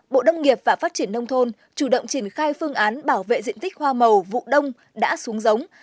bộ đông nghiệp và phát triển nông thôn chủ động triển khai phương án bảo vệ diện tích hoa màu vụ đông đã xuống giống